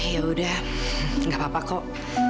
yaudah gak apa apa kok